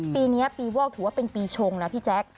ปีนี้ปีวอกถือว่าเป็นปีชงนะพี่แจ๊ค